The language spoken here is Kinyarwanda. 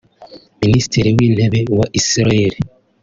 Minisitiri w’Intebe wa Israel